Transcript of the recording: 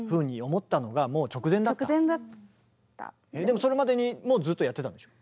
でもそれまでにもずっとやってたんでしょ？